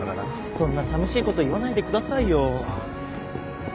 そんなさみしいこと言わないでくださいよ。